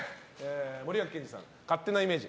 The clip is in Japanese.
森脇健児さんの勝手なイメージ。